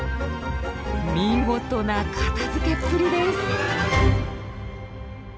見事な片づけっぷりです。